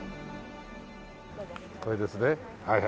これですね。